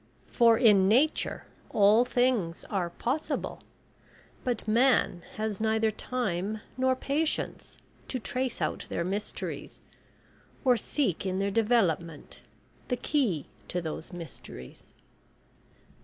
For in nature all things are possible, but man has neither time nor patience to trace out their mysteries, or seek in their development the key to those mysteries."